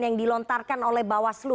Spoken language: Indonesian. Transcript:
yang dilontarkan oleh bawaslu